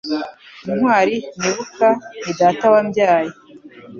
intwali nibuka ni data wambyaye